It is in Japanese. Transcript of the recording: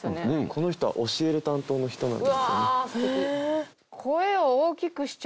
この人は教える担当の人なんですよね。